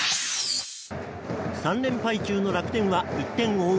３連敗中の楽天は１点を追う